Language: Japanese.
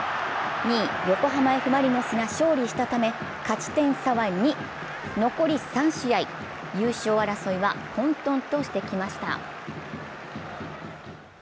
２位・横浜Ｆ・マリノスが勝利したため勝ち点差は２、残り３試合、優勝争いは混沌としてきました。